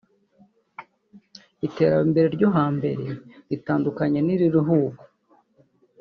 Iterambere ryo hambere ritandukanye n’iririho ubu